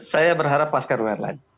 saya berharap pascal wehrland